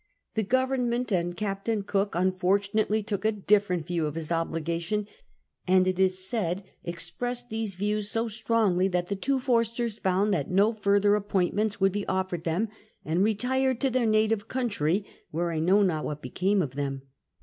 The Government and Captain Cook, unfortunately, took a different view of his obligations, and, it is said, expressed these views so strongly that the two Forsters found that no further appointments would be offered them, and retired to their native country, where I know not what became of them.